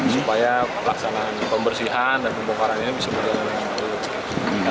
supaya pelaksanaan pembersihan dan pembongkaran ini bisa berjalan dengan baik